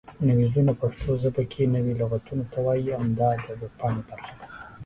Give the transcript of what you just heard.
نویزونه پښتو ژبه کې نوي لغتونو ته وایي او همدا د وییپانګې برخه ده